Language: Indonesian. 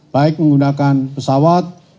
baik menggunakan pesawat